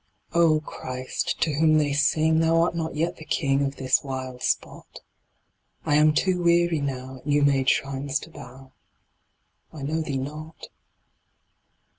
Oh, Christ, to whom they sing, Thou art not yet the King Of this wild spot ; I am too weary now At new made shrines to bow ; I know Thee not.